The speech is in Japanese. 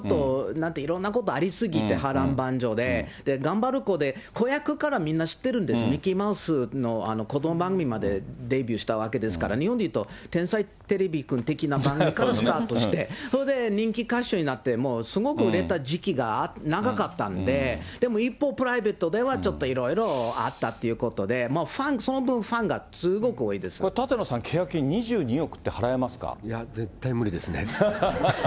いろんなことあり過ぎて波乱万丈で、頑張る子で、子役からみんな知ってるんです、ミッキーマウスの子ども番組でもデビューしたわけですから、日本でいうと、天才てれびくん的な番組からスタートして、それで人気歌手になって、もうすごく売れた時期が長かったんで、でも一方、プライベートではちょっといろいろあったということで、ファン、その分、フこれ舘野さん、契約金２２億